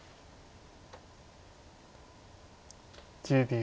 １０秒。